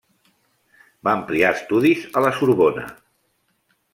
Va ampliar estudis a la Sorbona.